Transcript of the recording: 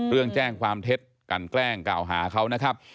แจ้งความเท็จกันแกล้งกล่าวหาเขานะครับ